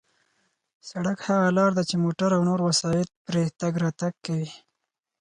سړک هغه لار ده چې موټر او نور وسایط پرې تگ راتگ کوي.